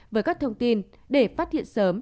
với các thông tin để phát hiện sớm